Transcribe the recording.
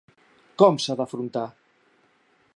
Com s’ha d’afrontar?